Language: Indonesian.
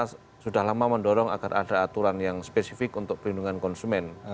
karena itu memang kita sudah lama mendorong agar ada aturan yang spesifik untuk perlindungan konsumen